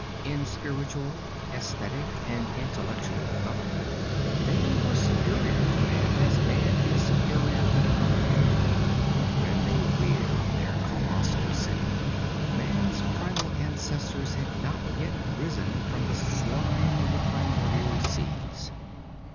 In spiritual, esthetic and intellectual development they were superior to man as man is superior to the gorilla. But when they reared their colossal city, man's primal ancestors had not yet risen from the slime of the primordial seas.